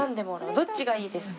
どっちがいいですか？